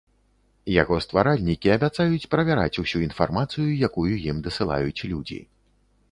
Яго стваральнікі абяцаюць правяраць усю інфармацыю, якую ім дасылаюць людзі.